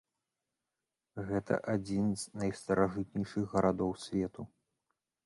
Гэта адзін з найстаражытнейшых гарадоў свету.